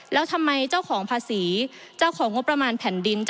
แล้วทำไมเจ้าของภาษีเจ้าของงบประมาณแผ่นดิน